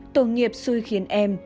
tổ nghiệp xui khiến em